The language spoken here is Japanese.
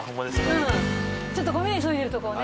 ちょっとごめん急いでるとこをね。